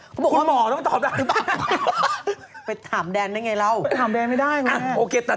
คุณหมอต้องตอบได้หรือเปล่า